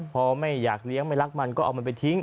พอไม่อยากเลี้ยงไม่รักมันก็เอามันไปทิ้ง